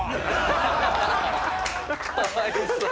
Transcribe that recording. かわいそう。